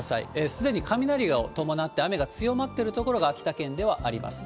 すでに雷を伴って、雨が強まってる所が、秋田県ではあります。